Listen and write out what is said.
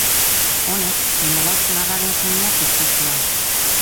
Honek Menelao senarraren sumina piztu zuen.